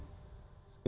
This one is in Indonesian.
imam besar rabbi prizik